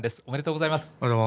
おめでとうございます。